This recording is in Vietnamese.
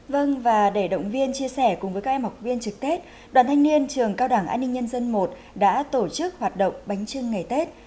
vâng và để động viên chia sẻ cùng với các em học viên trực tết đoàn thanh niên trường cao đảng an ninh nhân dân i đã tổ chức hoạt động bánh trưng ngày tết